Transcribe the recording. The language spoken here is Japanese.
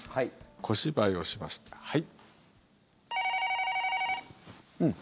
小芝居をしまして、はい。